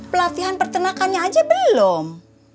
pelatihan peternakannya aja belum